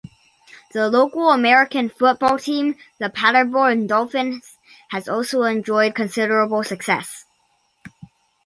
The local American Football team, the Paderborn Dolphins, has also enjoyed considerable success.